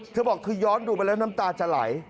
เธอบอกคือย้อนดูไปแล้วน้ำตาจะไหล